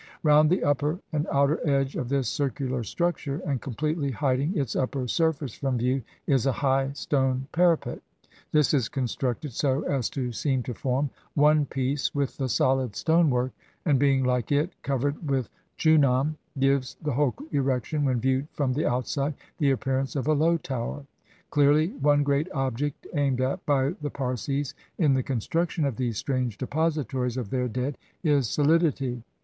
Round the upper and outer edge of this circular structure, and completely hiding its upper surface from view, is a high stone para pet. This is constructed so as to seem to form one piece with the soKd stone work, and being, like it, covered with chunam, gives the whole erection, when viewed from the outside, the appearance of a low tower. Clearly, one great object aimed at by the Parsis in the con struction of these strange depositories of their dead is solidity.